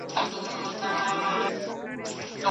د زده کړي په بهیر کيد کمپیوټر څخه ګټه څخه اخیستل کيده.